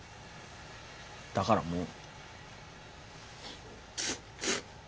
だからもう。